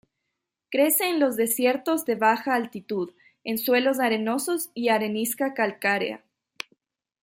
Crece en los desiertos de baja altitud, en suelos arenosos y arenisca calcárea.